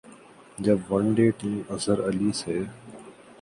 جب one day team Azhar Ali سے